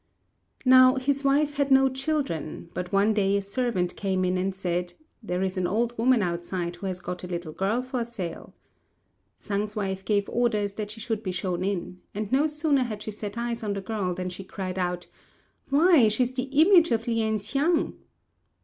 Now his wife had no children; but one day a servant came in and said, "There is an old woman outside who has got a little girl for sale." Sang's wife gave orders that she should be shown in; and no sooner had she set eyes on the girl than she cried out, "Why, she's the image of Lien hsiang!"